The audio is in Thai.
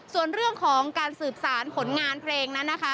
ส่วนเรื่องของการสืบสารผลงานเพลงนั้นนะคะ